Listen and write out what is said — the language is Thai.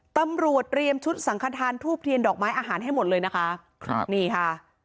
ตำรวจเตรียมชุดสังขทานทูบเทียนดอกไม้อาหารให้หมดเลยนะคะครับนี่ค่ะ